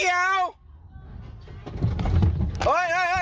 เมื่อแรกที่สวัสดีผมกลับที่นี่